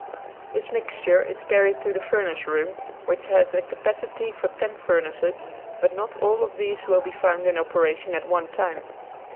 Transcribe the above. This mixture is carried to the furnace room, which has a capacity for ten furnaces, but not all of these will be found in operation at one time.